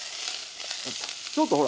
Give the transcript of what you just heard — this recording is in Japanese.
ちょっとほら。